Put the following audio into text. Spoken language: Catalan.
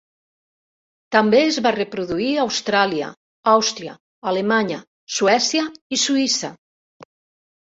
També es va reproduir a Austràlia, Àustria, Alemanya, Suècia i Suïssa.